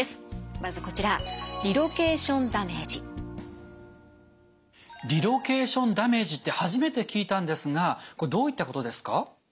まずこちらリロケーションダメージって初めて聞いたんですがこれどういったことですか？